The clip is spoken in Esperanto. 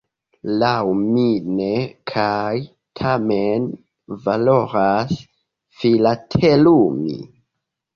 Laŭ mi ne, kaj tamen valoras filatelumi.